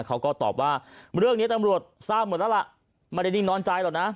เขาก็ตอบว่าเรื่องนี้ตำรวจทราบหมดแล้วล่ะไม่ได้นิ่งนอนใจหรอกนะ